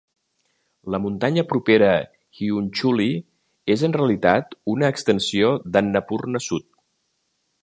La muntanya propera Hiunchuli és en realitat una extensió d'Annapurna sud.